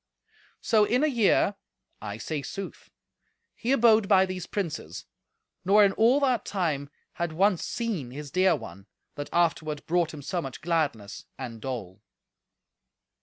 So in a year (I say sooth) he abode by these princes, nor in all that time had once seen his dear one, that afterward brought him so much gladness and dole.